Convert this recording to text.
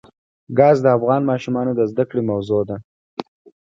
ګاز د افغان ماشومانو د زده کړې موضوع ده.